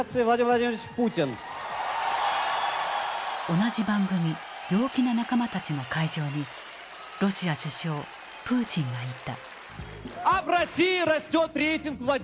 同じ番組「陽気な仲間たち」の会場にロシア首相プーチンがいた。